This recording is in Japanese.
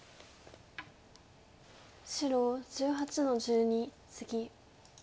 白１８の十二ツギ。